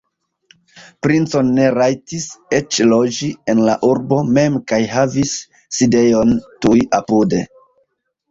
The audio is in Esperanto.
Princo ne rajtis eĉ loĝi en la urbo mem kaj havis sidejon tuj apude.